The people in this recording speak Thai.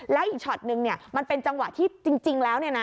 แล้วอีกช็อตนึงมันเป็นจังหวะที่จริงแล้ว